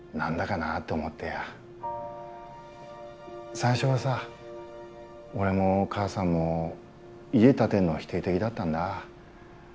最初はさ俺も母さんも家建てんの否定的だったんだ。